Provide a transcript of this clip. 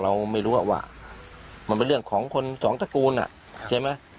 เราไม่รู้ว่ามันเป็นเรื่องของคนสองตระกูลใช่ไหม